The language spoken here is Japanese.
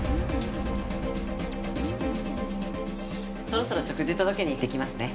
そろそろ食事届けに行ってきますね。